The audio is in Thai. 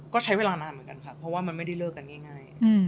ก็ใช้เวลานานเหมือนกันค่ะเพราะว่ามันไม่ได้เลิกกันง่าย